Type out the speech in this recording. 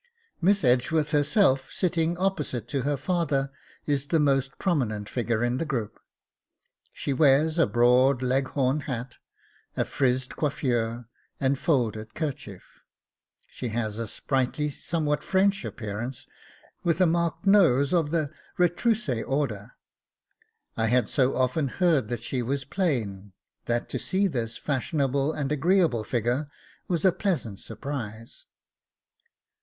Miss Edgeworth herself, sitting opposite to her father, is the most prominent figure in the group. She wears a broad leghorn hat, a frizzed coiffure, and folded kerchief; she has a sprightly, somewhat French appearance, with a marked nose of the RETROUSSE order. I had so often heard that she was plain that to see this fashionable and agreeable figure was a pleasant surprise.